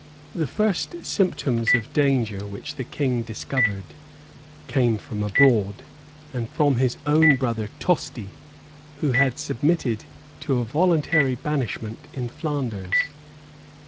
The first symptoms of danger which the king discovered, came from abroad, and from his own brother, Tosti, who had submitted to a voluntary banishment in Flanders.